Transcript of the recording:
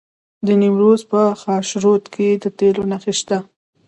د نیمروز په خاشرود کې د تیلو نښې شته.